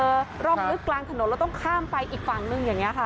ร่องลึกกลางถนนแล้วต้องข้ามไปอีกฝั่งนึงอย่างนี้ค่ะ